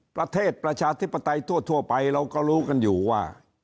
ประชาธิปไตยทั่วไปเราก็รู้กันอยู่ว่า